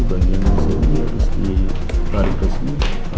itu bagian musuh ini harus ditarik kesini